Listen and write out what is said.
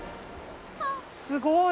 すごい。